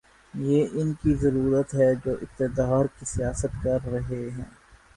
یہ ان کی ضرورت ہے جو اقتدار کی سیاست کر رہے ہیں۔